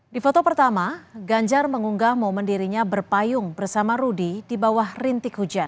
di foto pertama ganjar mengunggah momen dirinya berpayung bersama rudy di bawah rintik hujan